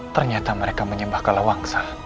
ternyata mereka menyembah kalah wangsa